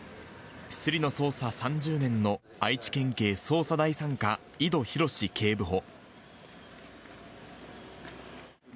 すりの捜査３０年の愛知県警捜査第３課、井戸浩警部補。